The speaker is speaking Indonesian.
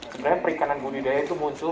sebenarnya perikanan budidaya itu muncul